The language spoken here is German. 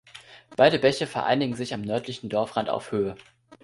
Beide Bäche vereinigen sich am nördlichen Dorfrand auf Höhe.